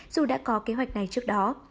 dù đã có kế hoạch này trước đó